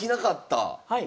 はい。